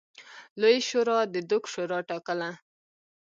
لویې شورا د دوک شورا ټاکله.